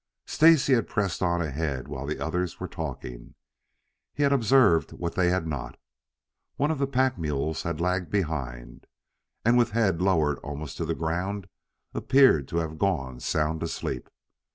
Stacy had pressed on ahead while the others were talking. He had observed what they had not. One of the pack mules had lagged behind, and with head lowered almost to the ground appeared to have gone sound asleep.